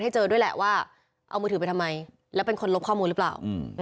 ได้แต่มาบอกว่าที่เก่งตายอะไรอย่างนี้